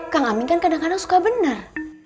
kak ngaminkan kadang kadang suka bener